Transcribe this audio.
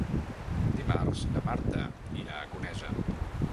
Dimarts na Marta irà a Conesa.